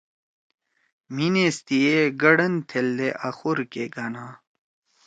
مھی نیستی ئے گڑن تھیلدے آخور کے گھنا۔